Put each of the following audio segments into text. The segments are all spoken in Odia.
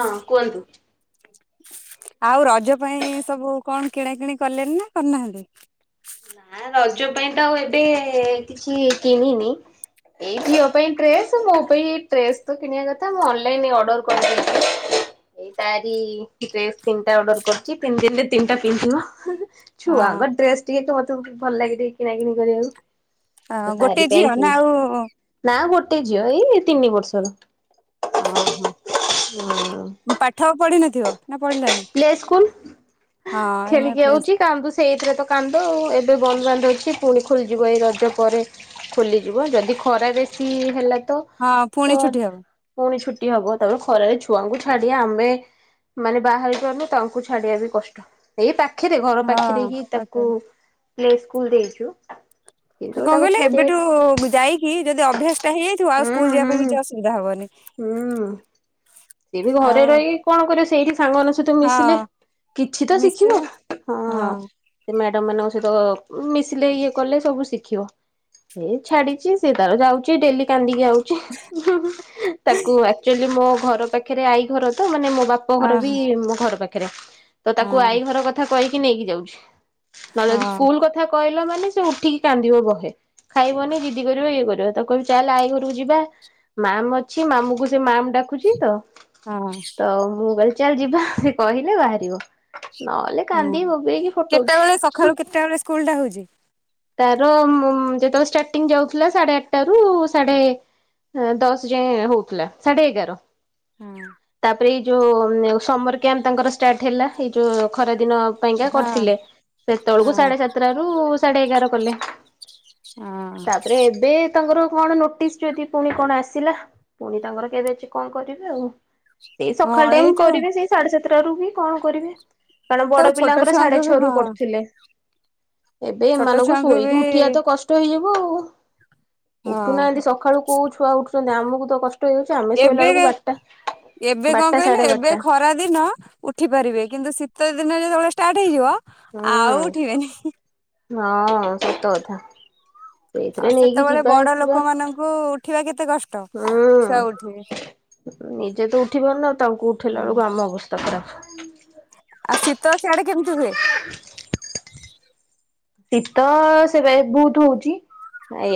ହଁ କୁଅନ୍ତୁ। ଆଉ ରଜ ପାଇଁ ସବୁ କଣ କିଣା କିିଣି କଲେନି ନା କରିନାହାନ୍ତି? ଆଁ ରଜ ପାଇଁ ତ ଆଉ ଏବେ କିଛି କିଣିନି। ଏଇ ଝିଅ ପାଇଁ ଡ୍ରେସ ମୋ ପାଇଁ ଏଇ ଡ୍ରେସ ତ କିଣିବା କଥା ମୁଁ ଅନଲାଇନ ଅଡର କରିଦେଇଚି। ଏଇ ତାରି ଡ୍ରେସ ତିନିଟା ଅର୍ଡର କରଚି ତିନି ଦିନରେ ତିନିଟା ପିନ୍ଧିବ। ଛୁଆ ହଁ ଙ୍କ ଡ୍ରେସ ଟିକେ ମତେ ଭଲ ଲାଗେ ଟିକେ କିଣା କିଣି କରିବାକୁ। ତ ଗୋଟେ ତାରି ଝିଅ ପାଇଁ ନା ଆଉ କିଣୁଚି ନା ଗୋଟେ ଝିଅ ଏଇ ତିନି ବର୍ଷର। ଅ ହଁ। [unintelligible] ପାଠ ପଢିିନଥିବ, ନା ପଢ଼ିଲାଣି? ପ୍ଲେ ସ୍କୁଲ, ଖେଳିକି ପ୍ଲେ ଆଉଛି କାନ୍ଦୁଛି ସେଇଥିରେ ତ କାନ୍ଦ ଆଉ, ଏବେ ବନ୍ଦ ବାନ୍ଧ ଅଛି ପୁଣି ଖୋଲିଯିବ ଏଇ ରଜ ପରେ। ଖୋଲିଯିବ, ଯଦି ଖରା ବେଶୀ ହେଲା ତ ହଁ ତ ଫୁଣି ଛୁଟି ହବ। ପୁଣି ଛୁଟି ହବ, ତାପରେ ଖରାରେ ଛୁଆଙ୍କୁ ଛାଡିବା ଆମେ ମାନେ ବାହାରି ପାରୁନୁ ତାଙ୍କୁ ଛାଡିବା ବି କଷ୍ଟ। ଏଇ ପାଖରେ ଘର ପାଖରେ ହଁ ହିଁ ତାକୁ ପାଖରେ ପ୍ଲେ ସ୍କୁଲ ଦେଇଛୁ। କଣ କିନ୍ତୁ ତାକୁ କହିଲେ, ଛାଡିବା ଏବେଠୁ ଯାଇକି ଯଦି ଅଭ୍ୟାସ ଟା ହେଇଯାଇଥିବ, ଆଉ ସ୍କୁଲ ହୁଁ ଯିବା ହୁଁ ପାଇଁ କିଛି ଅସୁବିଧା ହବନି। ହୁଁ। ସିଏ ବି ଘରେ ଆଉ ରହିକି କଣ କରିବ ସେଇଠି ସାଙ୍ଗମାନେ ତ ମିଶିଲେ ହଁ କିଛିତ ଶିଖିବ। ମିଶିବ ହଁ। ସେ ମ୍ୟାଡମ ମାନଙ୍କ ସହିତ ମିଶିଲେ ଇଏ କଲେ ସବୁ ଶିଖିବ। ଏଇ ଛାଡିଛି, ସେ ତାର ଯାଉଛି ଡେଲି କାନ୍ଦିକି ଆଉଛି, ହୁଁ ହୁଁ ତାକୁ ଆଚୁଅଲି ମୋ ଘର ପାଖେ ପାଖରେ ତ ଆଈ ଘର ତ, ମାନେ ମୋ ବାପ ଘର ଅହ ବି ମୋ ଘର ପାଖରେ। ତ ତାକୁ ହଁ ଆଈ ଘର କଥା କଥା କହିକି ନେଇକି ଯାଉଛି। ନହେଲେ ଯଦି ହଁ ସ୍କୁଲ କଥା କହିଲ ମାନେ ସେ ଉଠିକି କାନ୍ଦିବ ବହେ। ଖାଇବନି ଜିଦି କରିବ ଇଏ କରିବ, ତାକୁ କହିବି ଚାଲେ ଆଇ ଘରକୁ ଯିବା। ମ୍ୟାମ ଅଛି, ମାମୁକୁ ସେ ମ୍ୟାମ ଡା ରଖୁଛି ତ, ହଁ ତ ମୁଁ କହିଲି ଚାଲ ଯିବା, ସେ କହିଲେ ବାହାରିବ। ନହେଲେ ହୁଁ। କାନ୍ଦି ବୋବେଇକି ଫଟୋ ଉଠେ କେତେବେଳେ ସକାଳୁ କେତେ ବେଳେ ସ୍କୁଲ ଟା ହଉଛି? ତାର ଯେତେ ବେଳେ ଷ୍ଟାର୍ଟିଂ ଯାଉଥିଲା, ସାଢେ ଆଠଟା ରୁ ସାଢେ ହ ଦଶ ଯାଏଁ ହଉଥିଲା। ସାଢେ ଏଗାର ହଁ ତାପରେ ଏଇ ଯୋଉ, ସମର କ୍ୟାମ୍ପ ତାଙ୍କର ଷ୍ଟାର୍ଟ ହେଲା। ଏଇ ଯୋଉ ଖରା ଦିନ ପାଇଁକା ହଁ କରିଥିଲେ, ସେତେବେଳକୁ ହଁ ସାଢେ ସାତଟା ରୁ ସାଢେ ଏଗାର କଲେ। ହଁ ତାପରେ ଏବେ ତାଙ୍କର କଣ ନୋଟିସ୍ ଯଦି ପୁଣି କଣ ଆସିଲା, ପୁଣି ତାଙ୍କର କେବେ ଅଛି କଣ କରିବି ଆଉ। ସେଇ ହଁ ସକାଳ ଟାଇମ ଏଇ ଯୋଉ କରିବେ, ସେଇ ସାଢେ ସାତଟା ରୁ ବି କଣ କରିବେ? କାରଣ ତ ବଡ ଛୋଟ ପିଲାଙ୍କର ସାଢେ ଛୁଆଙ୍କୁ ବି ଛଅ ହଁ ରୁ କରୁଥିଲେ। ଏବେ ଛୋଟ ଏମାନଙ୍କୁ ଛୁଆଙ୍କୁ ବି ଶୋଇକି ଉଠିବା ତ କଷ୍ଟ ହେଇଯିବ ଆଉ। ହଁ ଉଠୁନାହାନ୍ତି ସକାଳୁ କୋଉ ଛୁଆ ଉଠୁଛନ୍ତି, ଆମକୁ ତ କଷ୍ଟ ହେଇଯାଉଛି ଆମେ ଶୋଇଲା ଏବେ ବେଳକୁ ବାରଟା। ଏବେ କଣ ବଟା କହିଲେ ସାଢ଼େ ଏବେ ବଟା। ଖରା ଦିନ ଉଠି ପାରିବେ, କିନ୍ତୁ ଶୀତ ଦିନ ଯେତେବେଳେ ଷ୍ଟାର୍ଟ ହେଇଯିବ, ଆଉ ହୁଁ ଉଠିବେନି। ହଁ ସତ କଥା। ସେଇଥିରେ ଆଉ ନେଇକି ସେତେବେଳେ ଯିବା ବଡ ଆସିବା ଲୋକ ମାନଙ୍କୁ ଉଠିବା କେତେ କଷ୍ଟ। ହୁଁ ଛୁଆ ଉଠିବେ ନିଜେ ତ ଉଠିପାରୁନ, ତାଙ୍କୁ ଉଠେଇଲା ହୁଁ ବେଳକୁ ଆମ ଅବସ୍ଥା ଖରାପ। ଆଉ, ଶୀତ ସିଆଡେ କେମିତି ହୁଏ? [inaudible] ଶୀତ ସେବେ ବହୁତୁ ହଉଛି।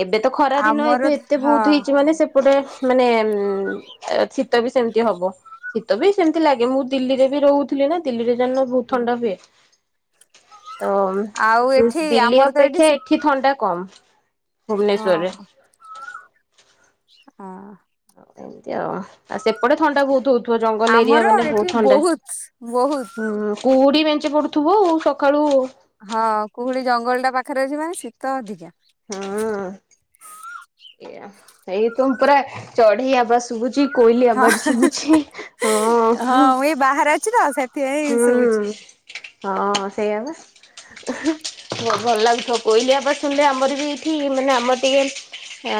ଏବେ ତ ଖରା ଦିନ, ଆମର ଏବେ ଏତେ ହଁ ବହୁତ ହେଇଛି ମାନେ ସେ ପଟେ ମାନେ ଶୀତ ବି ସେମିତି ହବ। ଶୀତ ବି ସେମିତି ଲାଗେ। ମୁଁ ଦିଲ୍ଲୀରେ ବି ରହୁ ଥିଲି ନା ଦିଲ୍ଲୀରେ ଜାଣିନ ବହୁତ ଥଣ୍ଡା ହୁଏ। ତ ଆଉ ଏଠି ଦିଲ୍ଲୀ ଆମର ତ ଅପେକ୍ଷା ଏଠି ଥଣ୍ଡା କମ। ଓହୋ ଭୁବନେଶ୍ୱରରେ। ହଁ। ଏମିତି ଆଉ, ଆଉ ସେପଟେ ଥଣ୍ଡା ବହୁତ ହଉ ଜଙ୍ଗଲ ଆମର ଏରିଆ ମାନେ ଏଠି ବହୁତ ଥଣ୍ଡା, ବହୁତ ହୁଁ। କୁହୁଡ଼ି ମେଞ୍ଚେ ପଡ଼ୁଥିବୁ ସକାଳୁ। ହଁ କୁହୁଡ଼ି ଜଙ୍ଗଲ ଟା ପାଖରେ ଅଛି ମାନେ ଶୀତ ଅଧିକା। ହଁ ଏୟା, ଏଇ ତୁମ ପୁରା ଚଢ଼େଇ ଆବାଜ ଶୁଭୁଛି। କୋଇଲି ହଁ ଆବାଜ ଶୁଭୁଛି ହଁ। ମୁଁ ଏଇ ବାହାରେ ଅଛି ତ ସେତ ହୁଁ, ହଁ ସେଇଆ ବା। ଭଲ ଲାଗୁଥିବ କୋଇଲି ଆବାଜ ଶୁଣିଲେ ଆମର ବି ଏଇଠି ମାନେ ଆମର ଟିକେ ଆ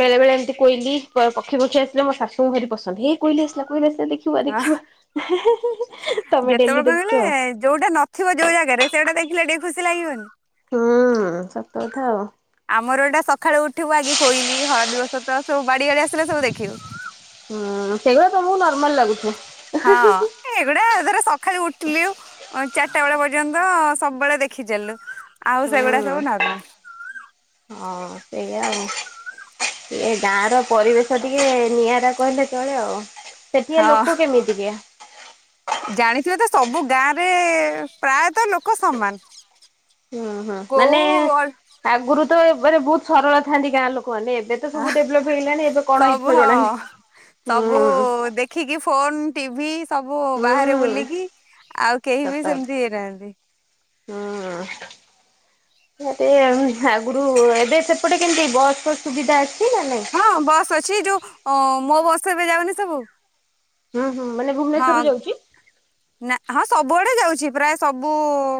ବେଳେ ବେଳେ ଏମିତି କୋଇଲି ପକ୍ଷୀ ଫକ୍ଷୀ ଆସିଲେ ମୋ ଶାଶୁଙ୍କୁ ଭାରି ପସନ୍ଦ। ହେ କୋଇଲି ଆସିଲା କୋଇଲି ଆସିଲା ଦେଖି ହଁ ଦେଖିବୁ ଆ ହେ ହେ। ଯେତେବେଳେ ମିଳିଲେ ଯୋଉଟା ନଥିବ ଯୋଉ ଜାଗାରେ ସେଇଟା ଦେଖିଲେ ଟିକେ ଖୁସି ଲାଗିବନି। ହୁଁ ସତ କଥା ଆଉ। ଆମର ଏଟା ସକାଳୁ ଉଠିବୁ ଆଗେ କୋଇଲି, ହଳଦୀ ବସନ୍ତ ସବୁ ବାଡି ଆଡ଼େ ଆସିଲେ ସବୁ ଦେଖିବୁ। ହୁଁ ସେଇ ଗୁଡ଼ା ତମକୁ ନର୍ମାଲ ଲାଗୁଥିବ। ହଁ। ଏ ଏଗୁଡା ଧର ସକାଳୁ ଉଠିଲୁ ଚାରିଟା ବେଳେ ପର୍ଯ୍ୟନ୍ତ ସବୁବେଳେ ଦେଖି ଚାଲିଲୁ। ଆଉ ହୁଁ ସେଗୁଡା ସବୁ ନର୍ମାଲ। ହଁ ସେଇଆ ଆଉ। ଏଇ ଗାଁ ର ପରିବେଶ ଟିକେ ନିଆରା କହିଲେ ଚଳେ ଆଉ। ସେଠିକା ହଁ। ଲୋକ କେମିତିକିଆ? ଜାଣିଥିବେ ତ ସବୁ ଗାଁରେ ପ୍ରାୟତଃ ଲୋକ ସମାନ। ହୁଁ ହୁଁ ମାନେ କୋଉ ଅଳ ଆଗରୁ ତ ଏ ବହୁତ ସରଳ ଥାଆନ୍ତି ଗାଁ ଲୋକମାନେ ଏବେ ତ ସବୁ ଡେଭଲପ ହେଇଗଲାଣି ଏବେ କଣ ସବୁ ହେଇଥିବ ଜଣା ନାହିଁ, ହଁ। ସବୁ ହୁଁ। ଦେଖିକି ଫୋନ ଟିଭି ସବୁ ବାହାରେ ହୁଁ ବୁଲିକି ଆଉ ସତ କେହି ବି କଥା। ସେମତି ହେଇନାହାନ୍ତି। ହୁଁ। ଏମେତି ଆଉ ଆଗରୁ ଏବେ ସେପଟେ କେମିତି ବସ ର ସୁବିଧା ଅଛି ନା ନାଇଁ? ହଁ ବସ୍ ଅଛି ଯୋଉ ମୋ ବସ୍ ଏବେ ଯାଉନି ସବୁ। ହଁ ହଁ ମାନେ ହଁ ଭୁବନେଶ୍ୱରରୁ ଯାଉଛି? ନା ହଁ ସବୁଆଡେ ଯାଉଛି ପ୍ରାୟ ସବୁ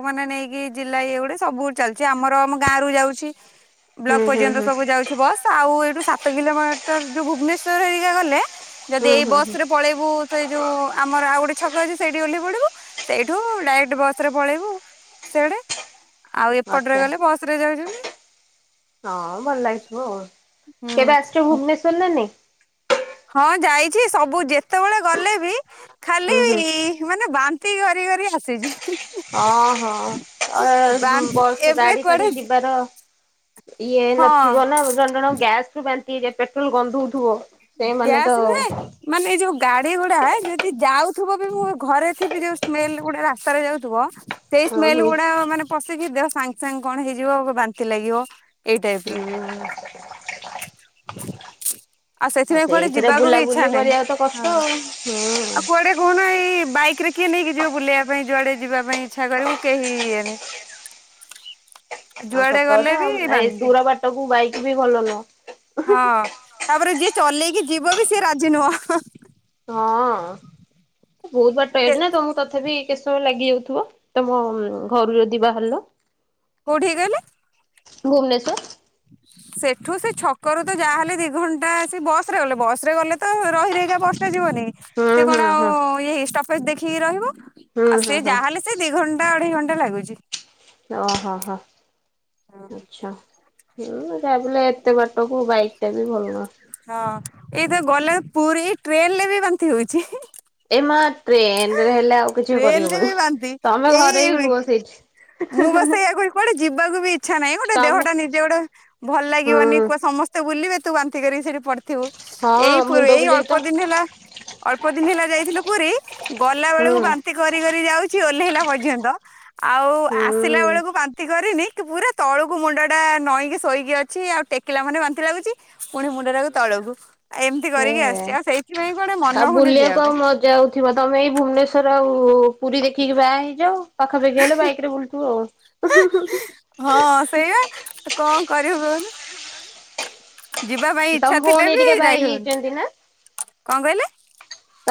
ମାନେ ନେଇକି ଜିଲ୍ଲା ଇଏ ଗୁଡେ ସବୁ ଚାଲିଛି ଆମର ଆମ ଗାଁ ରୁ ଯାଉଛି ବ୍ଲକ ହୁଁ ହୁଁ ପର୍ଯ୍ୟନ୍ତ ହୁଁ ସବୁ ଯାଉଛି ବସ। ଆଉ ଏଇଠୁ ସାତ କିଲୋମିଟର ଯୋଉ ଭୁବନେଶ୍ୱର ହେରିକା ଗଲେ ଯଦି ହୁଁ ଏଇ ହୁଁ ବସ ହୁଁ ରେ ପଳେଇବୁ ତ ଏଇ ଯୋଉ ଆମର ଆଉ ଗୋଟେ ଛକ ଅଛି। ସେଇଠି ଓହ୍ଲେଇ ପଡ଼ିବୁ ସେଇଠୁ ଡାଇରେକ୍ଟ ବସ ରେ ପଳେଇବୁ ସିଆଡ଼େ। ଆଉ ଏପଟରେ ଆଚ୍ଛା। ଗଲେ ବସ ରେ ଯାଉଛନ୍ତି। ହଁ ଭଲ ଲାଗିଥିବ ଆଉ କେବେ ଆସିଛ ହୁଁ ଭୁବନେଶ୍ଵର ନା ନାଇଁ? ହଁ ଯାଇଛି। ସବୁ ଯେତେବେଳେ ଗଲେ ବି ଖାଲି ହୁଁ ହୁଁ। ମାନେ ବା ନ୍ତି କରି କରି ଆସିଛି। ହଁ-ହଁ ଆ ବାନ୍ତି ବସ ଏବେ ଗାଡି କୁଆଡେ ଫାଡି ଯିବାର ଇଏ ହଁ ନଥିବ ନା, ଜଣେ ଜଣଙ୍କ ଗ୍ୟାସ ରୁ ବାନ୍ତି ହେଇଯାଏ ପେଟ୍ରୋଲ ଗନ୍ଧଉଥିବ। ସେଇମାନେ ଗ୍ୟାସ୍ ତ ନୁହେଁ ମାନେ ଏଇ ଯୋଉ ଗାଡ଼ି ଗୁଡ଼ା ଯଦି ଯାଉଥିବ ବି ମୁଁ ଘରେ ଥିବି ଯୋଉ ସ୍ମେଲ ଗୁଡ଼ା ରାସ୍ତାରେ ଯାଉଥିବ ସେଇ ହଁ ସ୍ମେଲ ହୁଁ। ଗୁଡ଼ା ମାନେ ପଶିକି ଦେହ ସାଙ୍ଗେ ସାଙ୍ଗେ କଣ ହେଇଯିବ ବାନ୍ତି ଲାଗିବ ଏଇ ଟାଇପ ର। [unintelligible] [unintelligible] ଆଉ ସେଥିପାଇଁ କୁଆଡେ ସେଇଥିରେ ଯିବାକୁ ବି ଇଚ୍ଛା ବୁଲାବୁଲି ନାହିଁ କରିବା ତ ହଁ କଷ୍ଟ ଆଉ। ହୁଁ। ଆଉ କୁଆଡ଼େ। କହୁନ ଏଇ ବାଇକ୍ ରେ କିଏ ନେଇକି ଯିବ ବୁଲେଇବା ପାଇଁ ଯୁଆଡେ ଯିବା ପାଇଁ ଇଚ୍ଛା କରିବୁ କେହି ଇଏ ନାଇ। [unintelligible] ଆଉ ସତ କଥା ଏ ଦୂର ବାଟକୁ ବାଇକ୍ ବି ଭଲ ନୁହଁ। ହଁ ତାପରେ ଯିଏ ଚଲେଇକି ଯିବ ବି ସିଏ ରାଜି ନୁହଁ। ହଁ ବହୁତ ବାଟ ହେଇଚି ନା। ତଥାପି କେତେ ସମୟ ଲାଗି ଯାଉଥିବ ତମ ଘରୁ ଯଦି ବାହାରିଲ। କୋଉଠି କି କହିଲେ। ଭୁବନେଶ୍ୱର। [unintelligible] ସେଠୁ ସେ ଛକରୁ ତ ଯାହାହେଲେ ଦି ଘଣ୍ଟା ସେ ବସ ରେ ଗଲେ ବସ ରେ ଗଲେ ତ ରହିି ରହି କି ବସ ଟା ଯିବନି କି। ସେ କଣ? ହଁ ହଁ। ଇ ଷ୍ଟପେଜ୍ ଦେଖିକି ରହିବ ଆଉ ହୁଁ ସେ ହୁଁ ଯାହାହେଲେ ସେ ଦି ଘଣ୍ଟା ଅଢେଇ ଘଣ୍ଟା ଲାଗୁଛି। ଓହୋ ହୋ ଆଛା ହଁ ତା। ଏତେ ବାଟକୁ ବାଇକ୍ ଟା ବି ଭଲ ନୁହଁ। ହଁ ଏଇ ତ ଗଲେ ପୁରୀ ଟ୍ରେନ୍ ରେ ବି ବାନ୍ତି ହଉଛି। ଏ ମା ଟ୍ରେନ୍ ରେ ହେଲେ ଆଉ କିଛି ଟ୍ରେନ ରେ କରିହବନି ବି ବାନ୍ତି ତମେ ଘରେ ହି ରୁହ ଏଇ ସେଇଠି। ମୁଁ ବା ସେହାୟକୁ କୁଆଡେ ଯିବାକୁ ବି ଇଚ୍ଛା ନାହିଁ ଗୋଟେ ତମେ ଦେହଟା ନିଜେ ଗୋଟେ ଭଲ ଲାଗିବନି ହୁଁ କୁ ସମସ୍ତେ। ସମସ୍ତେ ବୁଲିବେ ତୁ ବାନ୍ତି କରିକି ସେଠି ପଡିିଥିବୁ ହଁ ଏଇ ପ ମୁଣ୍ଡ ଏଇ ବୁଲେଇକି ତ ଅଳ୍ପ ଦିନ ହେଲା। ଅଳ୍ପ ଦିନ ହେଲା ଯାଇଥିଲୁ ପୁରୀ ଗଲା ହୁଁ ବେଳକୁ ବା। କରି କରି ଯାଉଛି ଓହ୍ଲେଇଲା ପର୍ଯ୍ୟନ୍ତ ଆଉ ଆସିଲା ହୁଁ ବେଳକୁ ବାନ୍ତି କରିନି କି ପୁରା। ତଳୁକୁ ମୁଣ୍ଡଟା ନଈଁକି ଶୋଇକି ଅଛି ଆଉ ଟେକିଲା ମାନେ ବାନ୍ତି ଲାଗୁଛି। ପୁଣି ମୁଣ୍ଡ ଟାକୁ ତଳକୁ ଆଉ ଏମିତି କରିକି ହେ ଆସିଛି ଆଉ ସେଇଥିପାଇଁ କୁଆଡେ ମନ ହଉନି ଯିବାକୁ। ଯାଉଥିବ ତମେ ଏଇ ଭୁବନେଶ୍ଵର ଆଉ ପୁରୀ ଦେଖିକି ବାହା ହେଇଯାଉ। ପାଖାପାଖି ହେଲେ ବାଇକ୍ ରେ ବୁଲଥିବୁ ଆଉ। ହଁ ସେଇଆ କଣ କରିବୁ କହୁନୁ। ଯିବା ପାଇଁ ତମ ଇଚ୍ଛା ଥିଲେ ଭଉଣୀ ବି ହେରିକା ବାହା ଯାଇ ହଉନି ହେଇଯାଇଛନ୍ତି ନା? କଣ କହିଲେ?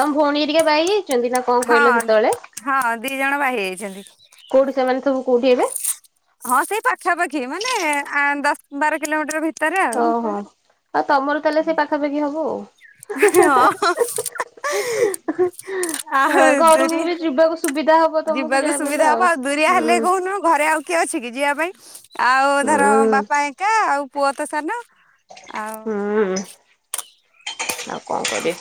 ତମ ଭଉଣୀ ଘରିକା ବାହା ହେଇଯାଇଚନ୍ତି ନା। କଣ କହିଲ ହଁ ସେତେବେଳେ ହଁ ଦି ଜଣ ବାହା ହେଇଯାଇଛନ୍ତି। କୋଉଠି ସେମାନେ ସବୁ କୋଉଠି ଏବେ। ହଁ ସେଇ ପାଖାପାଖି ମାନେ ଦଶ ବାର କିଲୋମିଟର ଭିତରେ। ଆଉ। ଓହୋ ଆଉ ତମର ତାହେଲେ ସେ ପାଖାପାଖି ହବ ଆଉ। ହଁ। ଆଉ ହଁ ଘରକୁ ଦୁରିଆ ବି ଯିବାକୁ ସୁବିଧା ହବ ତମକୁ ଯିବାକୁ ଯାହା ବି ହେଲେ ସୁବିଧା ହବ ଆଉ ଦୁରିଆ ହୁଁ ହେଲେ କହୁନୁହ ଘରେ ଆଉ। କିଏ ଅଛି କି ଯିବା ପାଇଁ ଆଉ ହୁଁ ଧର ବାପା ଏକା ଆଉ ପୁଅ ତ ସାନ ଆଉ। ହୁଁ ଆଉ କଣ କରିବି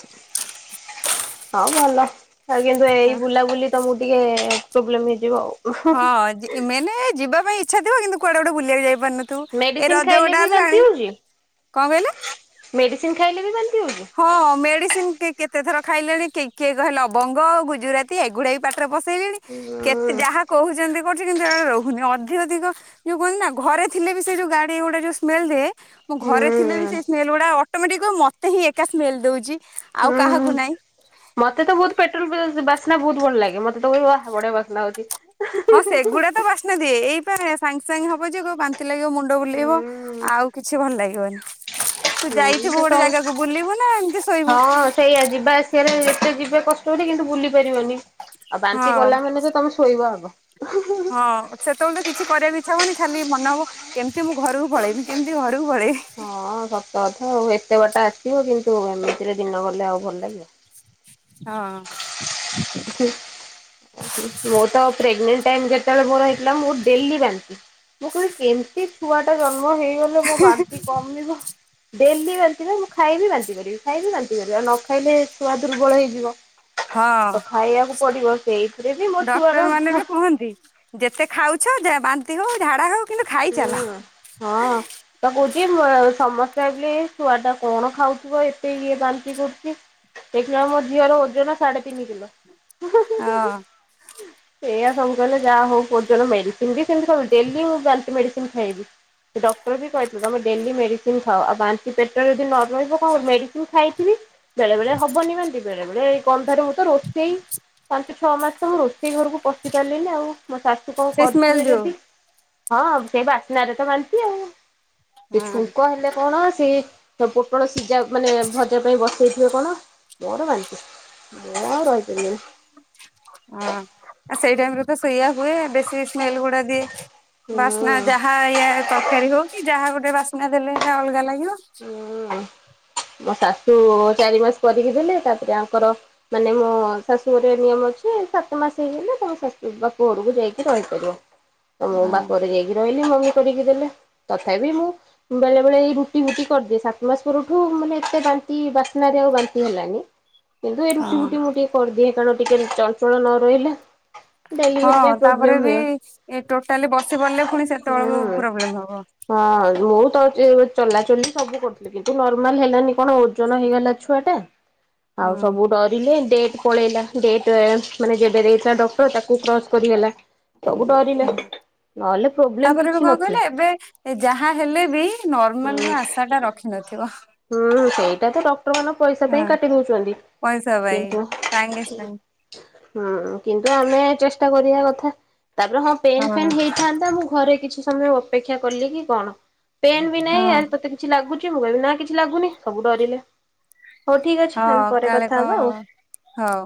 ହଉ ଭଲ। ଆଉ କିନ୍ତୁ ଏଇ ବୁଲାବୁଲି ତମକୁ ଟିକେ ପ୍ରୋବ୍ଲେମ ହେଇଯିବ ଆଉ। ହଁ ମେଏନ୍ ଯିବା ପାଇଁ ଇଚ୍ଛା ଥିବ କିନ୍ତୁ କୁଆଡେ ଗୋଟେ ବୁଲିବାକୁ ଯାଇପାରୁନିବ। ତୁ ଏ ମେଡିସିନ ରଜ ଖାଇଲେ ଗୋଟେ ବି ବାନ୍ତି ଆଣିଲନି କଣ କହିଲେ। ମେଡ଼ିସିନ୍ ଖାଇଲେ ବି ବାନ୍ତିି ହେଉଛି। ହଁ ମେଡିସିନ କେତେ ଥର ଖାଇଲେଣି କି କିଏ କହିଲେ ଲବଙ୍ଗ ଆଉ ଗୁଜୁରାତି। ନ୍ତି ଏଗୁଡା ବି ପାଟିରେ ପଶେଇଲେଣି ହୁଁ କେତେ ଯାହା କହୁଛନ୍ତି କହୁଛି କିନ୍ତୁ ଏ ରହୁନି ଅଧିକ ଧିକ ଯୋଉ କୁହନ୍ତି ନା ଘରେ ଥିଲେ ବି ସେ ଯୋଉ ଗାଡି ଗୁଡ଼ା ଯୋଉ ସ୍ମେଲରେ ମୁଁ ହୁଁ ଘରେ ଥିଲେ ବି ସେ ସ୍ମେଲ ଗୁଡା ଅଟୋମେଟିକ କହିବ ମତେ ହିଁ ଏକା ସ୍ମେଲ ଦଉଛି ଆଉ ହୁଁ। କାହାକୁ ନାହିଁ। ମତେ ତ ବହୁତ ପେଟ୍ରୋଲ ବା ବାସ୍ନା ବହୁତ ଭଲ ଲାଗେ। ମତେ ତ ୱାହ ବଢିଆ ବାସ୍ନା ହଉଛି। ହଁ ସେଗୁଡା ତ ବାସ୍ନା ଦିଏ ଏଇ ପା ସାଙ୍ଗେ ସାଙ୍ଗେ ହବ ଯ କହିବୁ ବାନ୍ତି ଲାଗିବ ମୁଣ୍ଡ ମୁଣ୍ଡ ବୁଲେଇବ ଆଉ କିଛି ଭଲ ଲାଗିବନି। ତୁ ହୁଁ ଯାଇଥିବୁ ହୁଁ ଗୋଟେ ତ ଜାଗାକୁ ବୁଲିବୁ ନା ଏମିତି ଶୋଇବୁ। ହଁ ସେଇଆ ଯିବା ଆସିବାରେ ଏତେ ଯିବେ କଷ୍ଟକରି କିନ୍ତୁ ବୁଲି ପାରିବନି ଆଉ ବାନ୍ତି ହଁ କଲା ମାନେ ତ ତମେ ଶୋଇବା ଆଗ। ହଁ ସେତେବେଳେ ତ କିଛି କରିବାକୁ ଇଚ୍ଛା ହବନି ଖାଲି ମନେ ହବ କେମିତି ମୁଁ ଘରକୁ ପଳେଇବି କେମିତି ଘରକୁ ପଳେଇବି। ହଁ ସତ କଥା ଆଉ ଏତେ ବାଟ ଆସିବ କିନ୍ତୁ ଏମିତିରେ ଦିନ ଗଲେ ଆଉ ଭଲ ଲାଗିବ। ହଁ। ଉହୂ। ମୋର ତ ପ୍ରେଗନେଣ୍ଟ ଟାଇମ୍ ଯେତେବେଳେ ମୋର ହେଇଥିଲା, ମୁଁ ଡେଲି ବାନ୍ତି। ମୁଁ କହିଲି କେମିତି ଛୁଆ ଟା ଜନ୍ମ ହେଇଗଲେ ମୋ ବାନ୍ତି କମିବ। ଡେଲି ବାନ୍ତିି ପା। ମୁଁ ଖାଇବି ବାନ୍ତି କରିବି ଖାଇବି ବାନ୍ତିି କରିବି ଆଉ ନ ଖାଇଲେ ଛୁଆ ଦୁର୍ବଳ ହେଇଯିବ। ହଁ ତ ଖାଇବାକୁ ପଡିବ ସେଇଥିରେ ବି ମୋ ଡକ୍ଟର ମାନେ ଛୁଆର ବି କୁହନ୍ତି। ଯେତେ ଖାଉଛ ଯା ବାନ୍ତି ହଉ ଝାଡା ହଉ କିନ୍ତୁ ଖାଇଚାଲ ହୁଁ ହଁ। ତ କହୁଛି ମୁ ସମସ୍ତେ ଭାବିଲେ ଏ ଛୁଆଟା କଣ ଖାଉଥିବ ଏତେ ଇଏ ବାନ୍ତି କରୁଚି। ଦେଖିଲାଳୁ ମୋ ଝିଅର ଓଜନ ସାଢେ ତିନି କିଲୋ। ହଁ। ସେଇଆ ସବୁ କହିଲେ ଯାହା ହଉ ଓଜନ ମେଡ଼ିସିନ୍ ବି ସେମତି ଖାଉ ଡେଲି ମୁଁ ବା ମେଡ଼ିସିନ୍ ଖାଇବି। ଡକ୍ଟର ବି କହିଥିଲେ ତମେ ଡେଲି ମେଡିସିନ୍ ଖାଅ ଆଉ ବାନ୍ତ କି ପେଟରେ ଯଦି ନ ରହିବ କଣ ମେଡିସିନ୍ ଖାଇଥିବି ବେଳେବେଳେ ହବନି ବାନ୍ତି ବେଳେବେଳେ ଏଇ ଗନ୍ଧରେ ମୁଁ ତ ରୋ ସେଇ ପାଞ୍ଚ ଛଅ ମାସ ତ ମୁଁ ରୋଷେଇ ଘରକୁ ପଶି ପାରିଲିନି ଆଉ। ମୋ ଶାଶୁ କଣ ସେ ସ୍ମେଲ କରିଥିବେ ଯୋଉ ଯଦି ହଁ ସେଇ ବାସ୍ନା ରେ ତ ବାନ୍ତି ଆଉ। ସେ ହଁ। ଛୁଙ୍କ ହେଲେ କଣ ସେ ପୋ ପୋଟଳ ସିଜା ମାନେ ଭଜା ପାଇଁ ବସେଇଥିବେ କଣ ମୋର ବାନ୍ତି। ମୁଁ ଆଉ ରହିପାରିବିନି। ହଁ ସେଇ ଟାଇମରେ ତ ସେଇଆ ହୁଏ, ବେଶୀ ସ୍ମେଲ୍ ଗୁଡା ଦିଏ। ବାସ୍ନା ହୁଁ ଯାହା ଏୟା ତରକାରୀ ହଉ କି ଯାହା ଗୋଟେ ବାସ୍ନା ଦେଲେ ଏଇଟା ଅଲଗା ଲାଗିବ। ହୁଁ ମୋ ଶାଶୁ ଚାରି ମାସ କରିକି ଦେଲେ ତାପରେ ଆଙ୍କର ମାନେ ମୋ ଶାଶୁ ଘରେ ନିୟମ ଅଛି ସାତ ମାସ ହେଇଗଲେ ତମ ଶାଶୁ ବାପ ଘରକୁ ଯାଇକି ରହିପାରିବ। ତ ମୁଁ ବାପଘରେ ଯାଇକି ରହିଲି ମମି କରିକି ଦେଲେ। ତଥାପି ମୁଁ ବେଳେ ବେଳେ ଏଇ ରୁ ଟି ଫୁଟି କରିଦିଏ ସାତମାସ ପରଠୁ ମାନେ ଏତେ ବାନ୍ତି ବାସ୍ନାରେ ଆଉ ବାନ୍ତି ହେଲାନି। କିନ୍ତୁ ଏ ରୁଟି ହଁ ଫୁଟି ମୁଁ ଟିକେ କରିଦିଏ କାରଣ ଟିକେ ଚଞ୍ଚଳ ନ ରହିଲେ ହଁ ଡେଲିଭରି ପାଇଁ ପ୍ରୋବ୍ଲେମ ତାପରେ ବି ହୁଏ ଏ ଟୋଟାଲି ବସି ପଡିଲେ ପୁଣି ସେତେବେଳକୁ ହୁଁ। ପ୍ରୋବ୍ଲେମ୍ ହବ। ହଁ ମୁଁ ତ ଚ ଚଲାଚଲି ସବୁ କରୁଥିଲି କିନ୍ତୁ ନର୍ମାଲ ହେଲାନି କଣ ଓ ଜନ ହେଇଗଲା ଛୁଆଟା ଆଉ ସବୁ ଡର ରିଲେ ଡେଟ୍ ପଳେଇଲା ଡେଟ୍ ମାନେ ଯେବେ ଦେଇଥିଲା ଡକ୍ଟର ତାକୁ କ୍ରସ୍ କରିଗଲା। ସବୁ ଡରିଲେ ହଁ ନହେଲେ ପ୍ରୋବ୍ଲେମ୍ ତାପରେ ବି କିଛି କଣ କହିଲେ ନଥିଲା। ଏବେ ଯାହା ହେଲେ ବି ନର୍ମାଲ ହୁଁ ର ଆଶା ଟା ରଖିନଥିବ। ହୁଁ ସେଇଟା ତ ଡକ୍ଟର ମାନେ ପଇସା ହଁ ପାଇଁ କାଟି ଦଉଚନ୍ତି। ପଇସା ପାଇଁ ସାଙ୍ଗେ ସାଙ୍ଗ। ହୁଁ କିନ୍ତୁ ଆମେ ଚେଷ୍ଟା କରିବା କଥା ତାପରେ ହଁ ପେନ୍ ଫେନ୍ ହେଇଥାନ୍ତା ମୁଁ ଘରେ କିଛି ସମୟ ଅପେକ୍ଷା କଲି କି କଣ ପେନ୍ ବି ନାହିଁ ଆ ହଁ ତତେ କିଛି ଲାଗୁଛି ମୁଁ କହିଲି ନା କିଛି ଲାଗୁନି ସବୁ ଡରିଲେ ହଉ ଠିକ୍ ଅଛି ଆମେ ହଁ ପରେ କାଳେ କଥା ହବା ଆଉ। କଣ ହଉ।